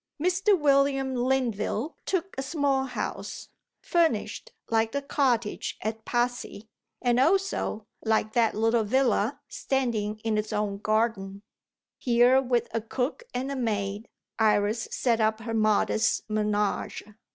Mr. William Linville took a small house, furnished, like the cottage at Passy, and, also like that little villa, standing in its own garden. Here, with a cook and a maid, Iris set up her modest _menage.